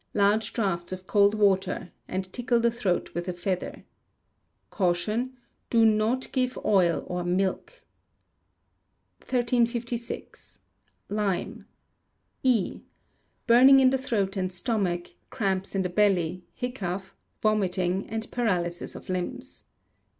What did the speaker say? Large draughts of cold water, and tickle the throat with a feather. Caution. Do not give oil or milk. 1356. Lime. E. Burning in the throat and stomach, cramps in the belly, hiccough, vomiting, and paralysis of limbs.